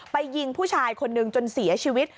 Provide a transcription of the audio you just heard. ยิงผู้ชายคนหนึ่งจนเสียชีวิต